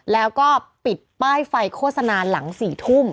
แล้วก็ปิดป้ายไฟโฆษณาหลัง๔ทุ่ม